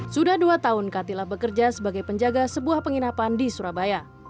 sudah dua tahun katila bekerja sebagai penjaga sebuah penginapan di surabaya